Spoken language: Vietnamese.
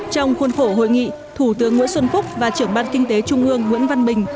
trong khuôn khổ hội nghị thủ tướng nguyễn xuân phúc và trưởng ban kinh tế trung ương nguyễn văn bình